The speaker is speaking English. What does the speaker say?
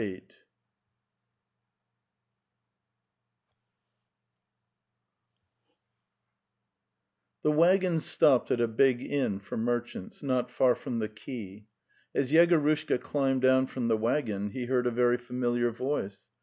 Ae 9 The waggons stopped at a big inn for merchants, not far from the quay. As Yegorushka climbed down from the waggon he heard a very familiar voice.